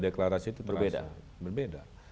deklarasi itu berbeda